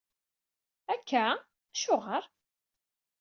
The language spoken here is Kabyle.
Akka? Acuɣer?